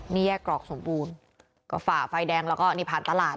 นี่แยกกรอกสมบูรณ์ก็ฝ่าไฟแดงแล้วก็นี่ผ่านตลาด